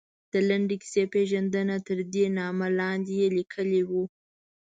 د لنډې کیسې پېژندنه، تردې نامه لاندې یې لیکلي وو.